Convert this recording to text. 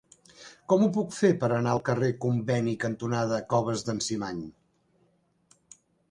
Com ho puc fer per anar al carrer Conveni cantonada Coves d'en Cimany?